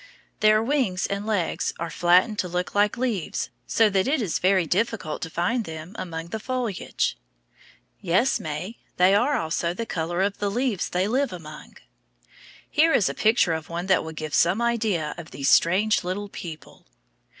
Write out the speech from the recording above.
Their wings and legs are flattened to look like leaves, so that it is very difficult to find them among the foliage. Yes, May, they are also the color of the leaves they live among. Here is a picture of one that will give some idea of these strange little people.